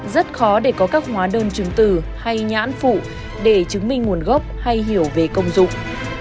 rất khó để có các hóa đơn chứng tử hay nhãn phụ để chứng minh nguồn gốc hay hiểu về công dụng